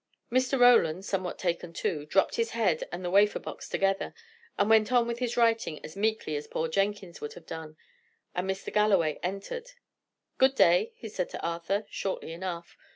Mr. Roland, somewhat taken to, dropped his head and the wafer box together, and went on with his writing as meekly as poor Jenkins would have done; and Mr. Galloway entered. "Good day," said he to Arthur, shortly enough.